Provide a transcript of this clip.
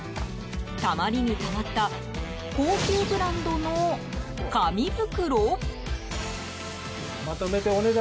たまりにたまった高級ブランドの紙袋？